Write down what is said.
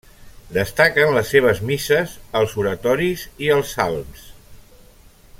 Destaquen les seves misses, els oratoris i els salms.